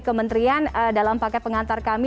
kementerian dalam paket pengantar kami